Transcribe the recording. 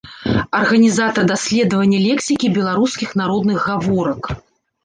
Арганізатар даследавання лексікі беларускіх народных гаворак.